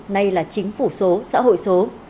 nay là chính phủ số xã hội số